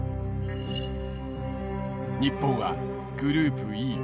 日本はグループＥ。